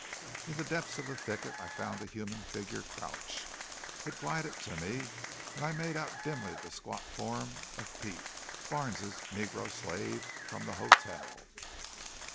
In the depths of the thicket I found a human figure crouched. It glided to me, and I made out dimly the squat form of Pete, Barnes's negro slave, from the hotel.